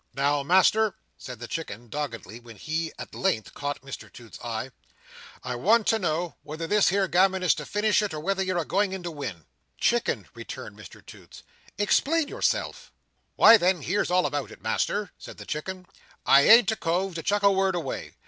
"Now, Master," said the Chicken, doggedly, when he, at length, caught Mr Toots's eye, "I want to know whether this here gammon is to finish it, or whether you're a going in to win?" "Chicken," returned Mr Toots, "explain yourself." "Why then, here's all about it, Master," said the Chicken. "I ain't a cove to chuck a word away.